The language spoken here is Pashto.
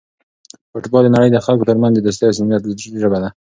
فوټبال د نړۍ د خلکو ترمنځ د دوستۍ او صمیمیت ژبه ده.